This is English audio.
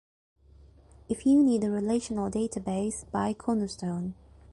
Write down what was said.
If you need a relational database, buy Cornerstone.